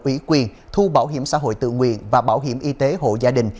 ủy quyền thu báo hiểm xã hội tự nguyện và báo hiểm y tế hộ gia đình